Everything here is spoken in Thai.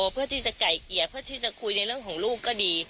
เพื่อที่จะไก่เกลี่ยเพื่อที่จะคุยในเรื่องของลูกก็ดี